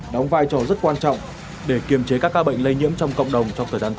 đóng vai trò rất quan trọng để kiềm chế các ca bệnh lây nhiễm trong cộng đồng trong thời gian tới